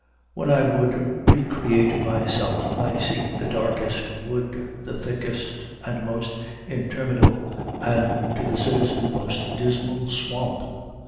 When I would recreate myself, I seek the darkest wood, the thickest and most interminable, and, to the citizen, most dismal swamp.